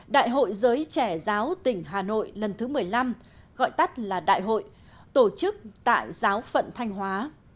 đại hội giới trẻ giáo tỉnh hà nội lần thứ một mươi năm gọi tắt là đại hội tổ chức tại giáo phận thanh hóa